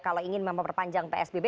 kalau ingin memperpanjang tsbb